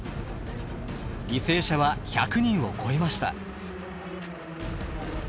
犠牲者は１００人を超えました。